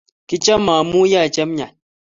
kichome amuyoei chemyach.